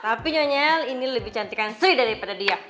tapi nyonyel ini lebih cantik kan sri daripada dia